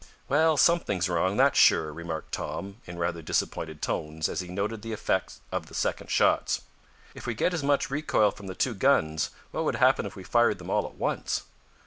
"Well, something's wrong, that's sure," remarked Tom, in rather disappointed tones as he noted the effect of the second shots. "If we get as much recoil from the two guns, what would happen if we fired them all at once?"